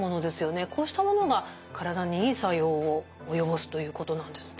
こうしたものが体にいい作用を及ぼすということなんですね。